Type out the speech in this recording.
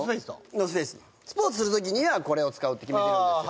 ＮＯＲＴＨＦＡＣＥのスポーツする時にはこれを使うって決めてるんですよ